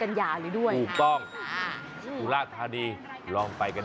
ตั้งใจฟังเนอะข่าวดีมากเลย